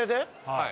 はい。